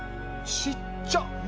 ちっちゃ。